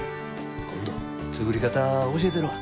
今度作り方教えたるわ。